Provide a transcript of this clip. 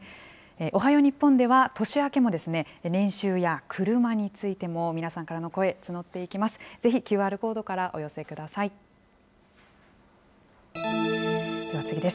おはよう日本では、年明けも年収や車についても、皆さんからの声、募っていきます。